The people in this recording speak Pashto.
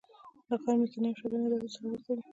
د غار مخکینۍ او شاته دروازه سره ورته دي.